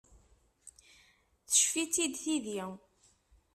Teccef-itt-id tidi.